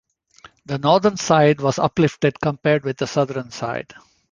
The northern side was uplifted compared with the southern side.